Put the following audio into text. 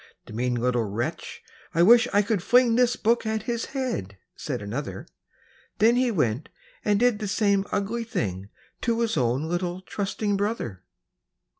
"The mean little wretch, I wish I could fling This book at his head!" said another; Then he went and did the same ugly thing To his own little trusting brother!